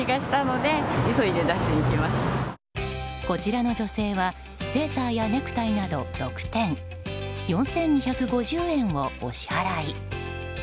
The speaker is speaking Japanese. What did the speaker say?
こちらの女性はセーターやネクタイなど６点４２５０円をお支払い。